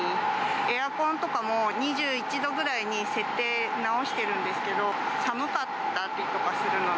エアコンとかも２１度くらいに設定直してるんですけど、寒かったりとかするので。